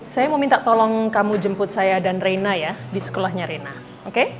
saya mau minta tolong kamu jemput saya dan reina ya di sekolahnya rina oke